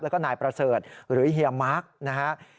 แล้วก็นายประเสริฐหรือเฮียมาร์คนะครับ